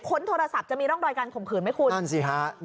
ค้นโทรศัพท์จะมีร่องรอยการข่มขืนไหมคุณ